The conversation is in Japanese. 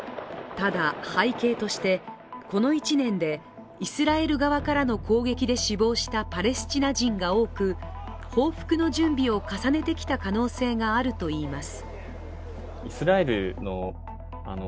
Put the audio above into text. ただ背景として、この１年でイスラエル側からの攻撃で死亡したパレスチナ人が多く、報復の準備を重ねてきた可能性があると言います。